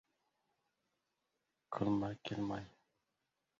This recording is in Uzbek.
— to‘rtovlashib yo‘lga chiqdik. Beshyog‘ochga yetib borsak, bo‘ldi.